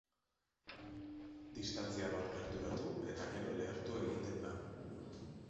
Distantzia bat gerturatu eta gero lehertu egiten da.